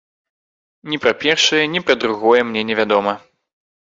Ні пра першае, ні пра другое мне не вядома.